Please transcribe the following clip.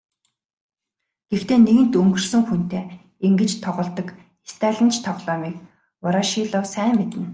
Гэхдээ нэгэнт өнгөрсөн хүнтэй ингэж тоглодог сталинч тоглоомыг Ворошилов сайн мэднэ.